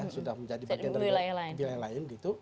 sudah menjadi bagian dari wilayah lain